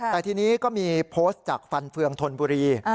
แต่ทีนี้ก็มีโพสต์จากฟันเฟืองธนบุรี